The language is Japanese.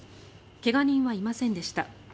怪我人はいませんでした。